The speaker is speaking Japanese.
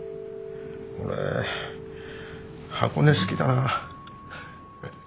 俺箱根好きだな。